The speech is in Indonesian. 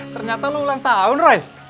ternyata lo ulang tahun roy